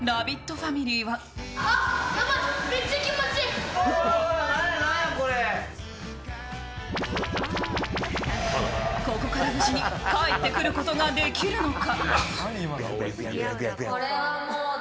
ファミリーはここから無事に帰ってくることができるのか。